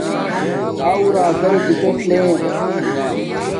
او راکای ٹکٹ لیم